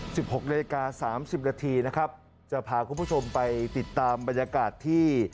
หกนาฬิกาสามสิบนาทีนะครับจะพาคุณผู้ชมไปติดตามบรรยากาศที่